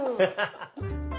ハハハ。